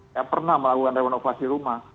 saya pernah melakukan renovasi rumah